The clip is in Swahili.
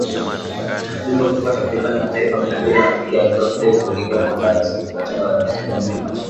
Wajumbe kutoka takribani mataifa mia mbili wamepiga hatua kidogo kuelekea kuandaa rasimu ya mkataba wa kimataifa wa kulinda mazingira